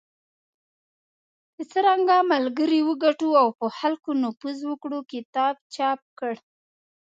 د"څرنګه ملګري وګټو او په خلکو نفوذ وکړو" کتاب چاپ کړ .